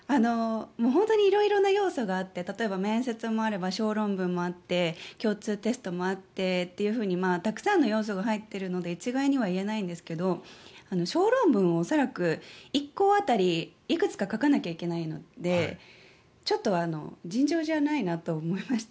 色々な要素があって例えば面接もあれば小論文もあって共通テストもあってというふうにたくさんの要素が入っているので一概には言えないんですけど小論文を恐らく１校当たりいくつか書かなければいけないのでちょっと、尋常じゃないなと思いました。